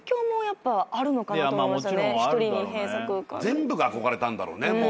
全部が憧れたんだろうね。